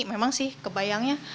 memang sih kebayangnya